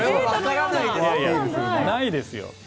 ないですよ。